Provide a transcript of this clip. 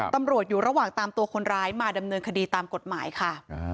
ตำรวจอยู่ระหว่างตามตัวคนร้ายมาดำเนินคดีตามกฎหมายค่ะ